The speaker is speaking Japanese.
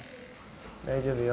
大丈夫よ。